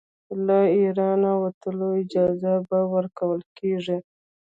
له اېرانه وتلو اجازه به ورکوله کیږي.